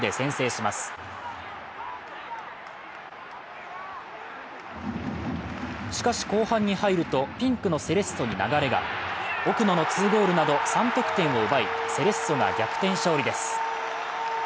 しかし後半に入るとピンクのセレッソに流れが奥埜の２ゴールなど３得点を奪い、セレッソが逆転勝利です。